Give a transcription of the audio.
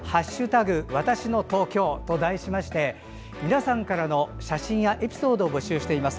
わたしの東京」と題しまして皆さんからの写真やエピソードを募集しています。